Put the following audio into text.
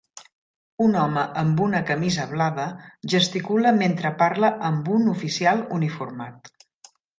Un home amb una camisa blava gesticula mentre parla amb un oficial uniformat.